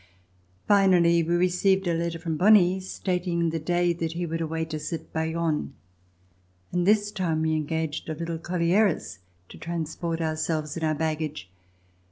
FINALLY we received a letter from Bonie stating the day that he would await us at Bayonne, and this time we engaged a little collier as to transport ourselves and our baggage.